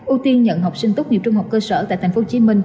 ưu tiên nhận học sinh tốt nghiệp trung học cơ sở tại tp hcm